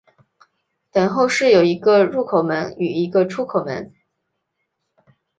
等候室有一个入口门与一个出口门。